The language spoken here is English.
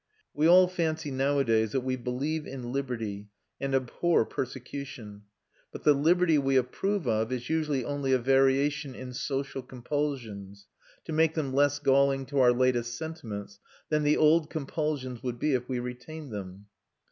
We all fancy nowadays that we believe in liberty and abhor persecution; but the liberty we approve of is usually only a variation in social compulsions, to make them less galling to our latest sentiments than the old compulsions would be if we retained them.